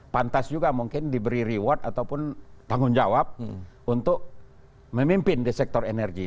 pantas juga mungkin diberi reward ataupun tanggung jawab untuk memimpin di sektor energi